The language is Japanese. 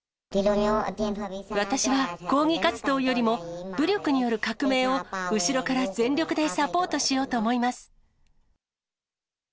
私は抗議活動よりも、武力による革命を後ろから全力でサポートしようと思います。